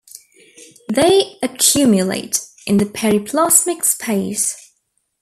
They accumulate in the periplasmic space.